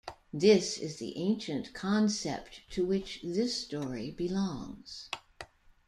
This is the ancient concept to which this story belongs.